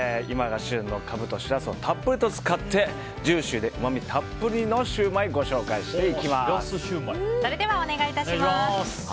今が旬のカブとしらすをたっぷりと使ってジューシーでうまみたっぷりのシューマイをご紹介していきます。